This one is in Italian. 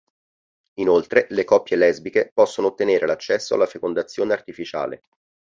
Inoltre, le coppie lesbiche possono ottenere l'accesso alla fecondazione artificiale.